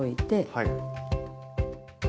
はい。